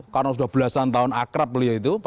karena sudah belasan tahun akrab beliau itu